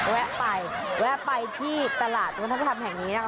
แวะไปแวะไปที่ตลาดวัฒนธรรมแห่งนี้นะคะ